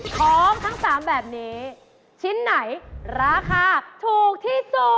ของทั้ง๓แบบนี้ชิ้นไหนราคาถูกที่สุด